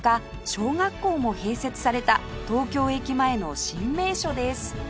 小学校も併設された東京駅前の新名所です